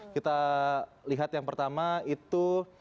kita lihat yang pertama itu